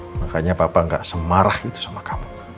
makanya papa gak semarah gitu sama kamu